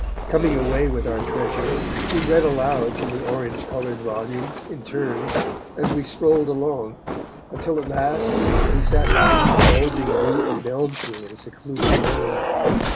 Coming away with our treasure, we read aloud from the orange coloured volume, in turns, as we strolled along, until at last we sat down on the bulging root of an elm tree in a secluded lane.